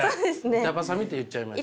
板挟みって言っちゃいました。